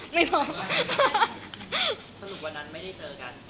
หลังจากนั้นไม่ได้เจอกัน